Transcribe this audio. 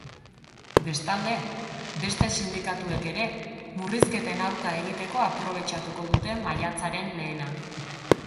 Bestalde, beste sindikatuek ere murrizketen aurka egiteko aprobetxatuko dute maiatzaren lehena.